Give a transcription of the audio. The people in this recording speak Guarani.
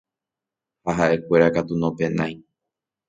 ha ha'ekuéra katu nopenái